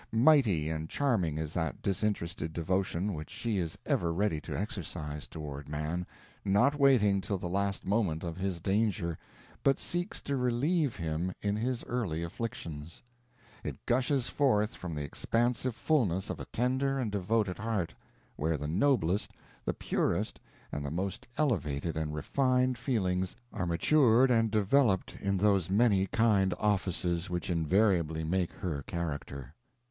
Mighty and charming is that disinterested devotion which she is ever ready to exercise toward man, not waiting till the last moment of his danger, but seeks to relieve him in his early afflictions. It gushes forth from the expansive fullness of a tender and devoted heart, where the noblest, the purest, and the most elevated and refined feelings are matured and developed in those many kind offices which invariably make her character.